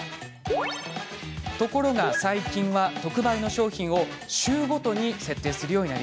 ところが最近は特売の商品を週ごとに設定。